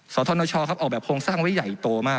สธนชครับออกแบบโครงสร้างไว้ใหญ่โตมาก